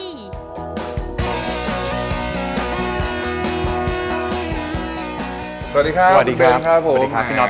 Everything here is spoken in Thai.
สวัสดีค่ะคุณเบนค่ะผม